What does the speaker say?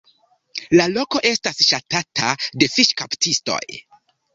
La loko estas ŝatata de fiŝkaptistoj.